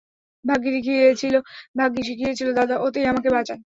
ভাগ্যি শিখিয়েছিলে দাদা, ওতেই আমাকে বাঁচায়।